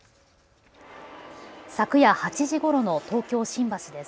昨夜８時ごろの東京新橋です。